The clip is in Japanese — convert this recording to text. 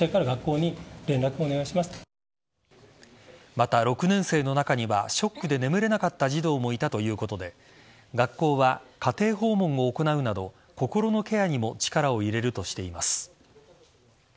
また、６年生の中にはショックで眠れなかった児童もいたということで学校は家庭訪問を行うなど心のケアにも力を入れるとしています。